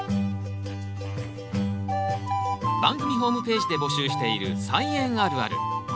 番組ホームページで募集している「菜園あるある」。